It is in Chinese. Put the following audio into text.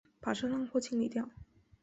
把这烂货清理掉！